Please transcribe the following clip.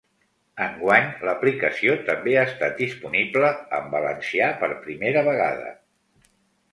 Enguany l’aplicació també ha estat disponible en valencià per primera vegada.